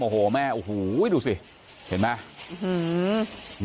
โอ้โหแม่โอ้โหดูสิเห็นไหม